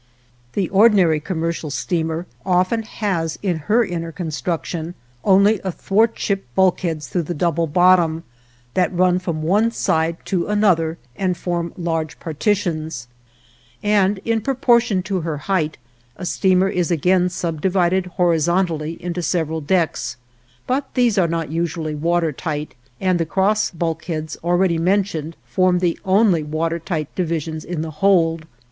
The ordinary commercial steamer often has in her inner construction only athwartship bulkheads through the double bottom that run from one side to another and form large partitions; and in proportion to her height a steamer is again subdivided horizontally into several decks. But these are not usually water tight, and the cross bulkheads already mentioned form the only water tight divisions in the hold.